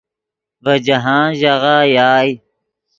ڤے جاہند ژاغہ یائے